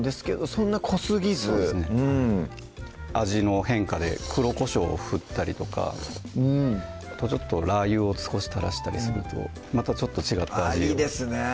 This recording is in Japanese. そんな濃すぎずそうですね味の変化で黒こしょうを振ったりとかちょっとラー油を少し垂らしたりするとまたちょっと違った味をいいですね